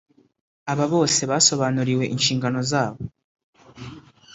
Aba bose basobanuriwe inshingano zabo